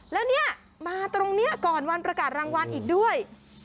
แล้วเนี่ยมาตรงนี้ก่อนวันประกาศรางวัลอีกด้วย